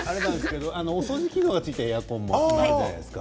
お掃除機能がついたエアコンもあるじゃないですか。